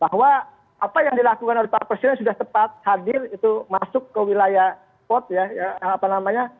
bahwa apa yang dilakukan oleh pak presiden sudah tepat hadir itu masuk ke wilayah spot ya apa namanya